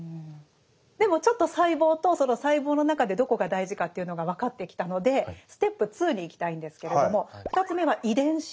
でもちょっと細胞とその細胞の中でどこが大事かっていうのが分かってきたのでステップ２にいきたいんですけれども２つ目は「遺伝子」。